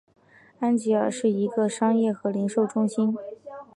安吉尔是一个商业和零售中心。